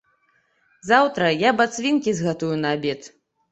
Заўтра я бацвінкі згатую на абед.